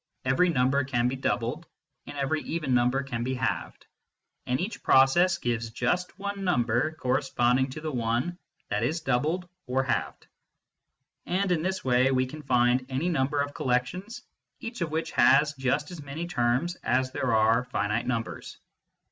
Every number can be doubled, and every even number can be halved, and each process gives just one number corresponding to the one that is doubled or halved. And in this way we can find any number of collections each of which has just as many terms as there are finite numbers.